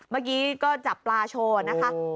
เมื่อกี้ก็จับปลาโชว์นะคะ